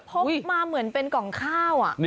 พกมาเหมือนเป็นกล่องข้าว